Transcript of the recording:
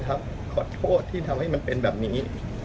ขอโทษที่ทำให้มันเป็นแบบนี้